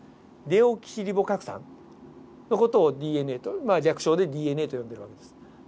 デオキシリボ核酸の事をＤＮＡと略称でＤＮＡと呼んでる訳です。